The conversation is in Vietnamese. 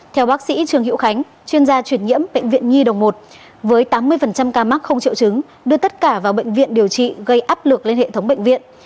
theo bác sĩ trường hữu khánh chuyên gia chuyển nhiễm bệnh viện nhi đồng một với tám mươi ca mắc không triệu chứng đưa tất cả vào bệnh viện điều trị gây áp lực lên hệ thống bệnh viện